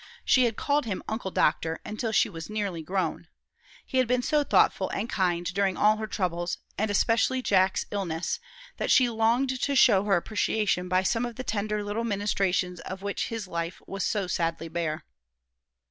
She had called him "Uncle Doctor" until she was nearly grown. He had been so thoughtful and kind during all her troubles, and especially in Jack's illness, that she longed to show her appreciation by some of the tender little ministrations of which his life was so sadly bare.